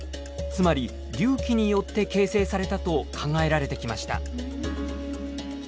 つまり隆起によって形成されたと考えられてきました。